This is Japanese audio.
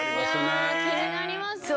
気になりますね。